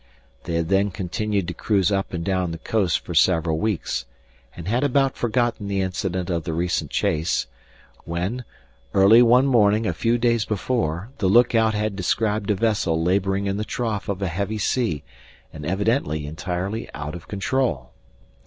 They had then continued to cruise up and down the coast for several weeks, and had about forgotten the incident of the recent chase, when, early one morning a few days before the lookout had described a vessel laboring in the trough of a heavy sea and evidently entirely out of control.